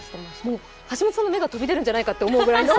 橋本さんの目が飛び出るんじゃないかと思うぐらい。